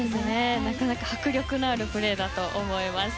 なかなか迫力のあるプレーだと思います。